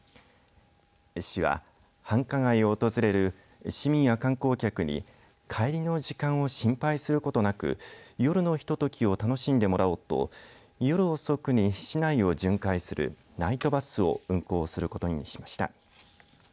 市は、繁華街を訪れる市民や観光客に帰りの時間を心配することなく夜のひとときを楽しんでもらおうと夜遅くに市内を巡回するナイトバスを運行することにしました。